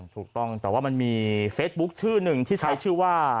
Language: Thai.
ถูกต้องแต่ว่ามันมีเฟซบุ๊คชื่อหนึ่งที่ใช้ชื่อว่า